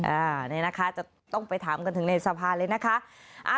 อันนี้นะคะจะต้องไปถามกันถึงในสภาเลยนะคะ